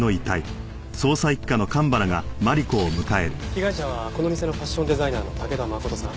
被害者はこの店のファッションデザイナーの武田誠さん。